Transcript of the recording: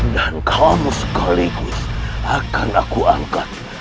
dan kamu sekaligus akan aku angkat